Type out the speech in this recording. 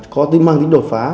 có mang tính đột phá